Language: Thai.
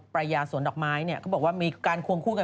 ระยะสวนดอกไม้เนี่ยเขาบอกว่ามีการควงคู่กัน